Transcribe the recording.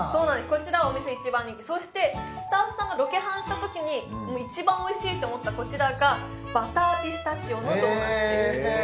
こちらお店一番人気そしてスタッフさんがロケハンしたときに一番おいしいって思ったこちらがバターピスタチオのドーナツですへえ！